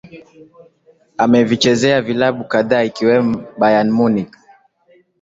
Amevichezea vilabu kadhaa ikiwemo Bayern Munich